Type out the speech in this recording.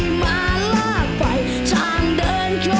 คงมาและฉันกับเธอ